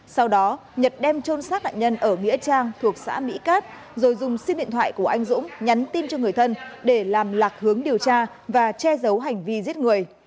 sau đó nhật đem trôn sát nạn nhân ở nghĩa trang thuộc xã mỹ cát rồi dùng sim điện thoại của anh dũng nhắn tin cho người thân để làm lạc hướng điều tra và che giấu hành vi giết người